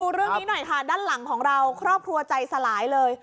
เรื่องนี้หน่อยค่ะด้านหลังของเราครอบครัวใจสลายเลย